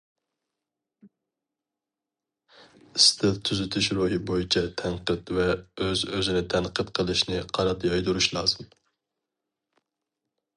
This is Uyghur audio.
ئىستىل تۈزىتىش روھى بويىچە تەنقىد ۋە ئۆز- ئۆزىنى تەنقىد قىلىشنى قانات يايدۇرۇش لازىم.